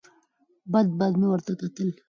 بد بد مې ورته وکتل.